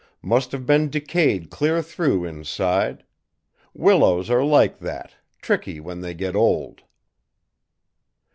Must have been decayed clear through inside. Willows are like that, tricky when they get old."